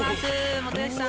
本吉さん